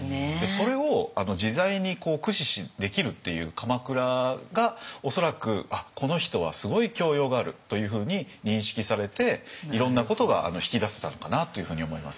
それを自在に駆使できるっていう鎌倉が恐らく「あっこの人はすごい教養がある」というふうに認識されていろんなことが引き出せたのかなというふうに思いますね。